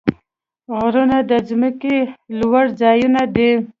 غرونه د ځمکې لوړ ځایونه دي.